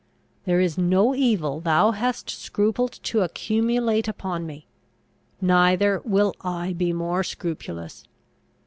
There is no evil thou hast scrupled to accumulate upon me! Neither will I be more scrupulous!